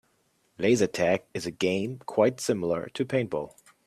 Laser tag is a game quite similar to paintball.